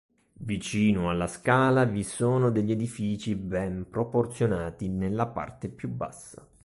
Vicino alla scala vi sono degli edifici ben proporzionati nella parte più bassa.